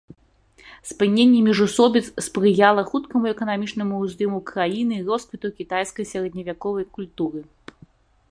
Спыненне міжусобіц спрыяла хуткаму эканамічнаму ўздыму краіны, росквіту кітайскай сярэдневяковай культуры.